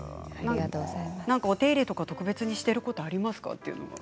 お手入れとか特別していることありますか？という。